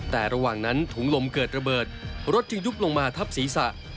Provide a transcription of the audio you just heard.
แต่ระหว่างนั้นถุงลมเกิดระเบิดรถจึงยุบลงมาทับศีรษะ